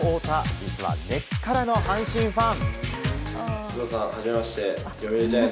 実は根っからの阪神ファン。